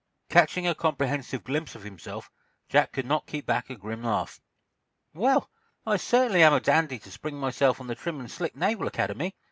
Catching a comprehensive glimpse of himself, Jack could not keep back a grim laugh. "Well, I certainly am a dandy to spring myself on the trim and slick Naval Academy!"